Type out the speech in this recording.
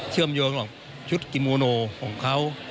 เชื่อมโยงกับชุดกิโมโนของเขา